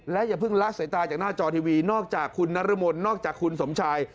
อย่าเพิ่งละสายตาจากหน้าจอทีวีนอกจากคุณนรมนนอกจากคุณสมชาย